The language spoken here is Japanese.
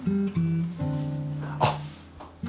あっ。